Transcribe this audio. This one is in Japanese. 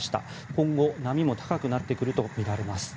今後、波も高くなってくるとみられます。